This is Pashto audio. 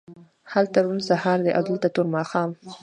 هلته روڼ سهار دی او دلته تور ماښام